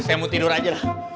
saya mau tidur aja